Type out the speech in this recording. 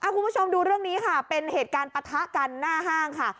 คุณผู้ชมดูเรื่องนี้ค่ะเป็นเหตุการณ์ปะทะกันหน้าห้างค่ะ